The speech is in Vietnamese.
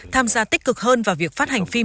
tham gia tích cực hơn vào việc phát hành phim